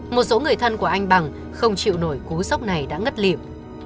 một số người thân của anh bằng không chịu nổi cú sốc này đã ngất liệm